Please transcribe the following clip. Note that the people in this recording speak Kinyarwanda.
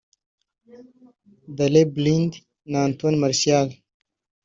Daley Blind na Anthony Martial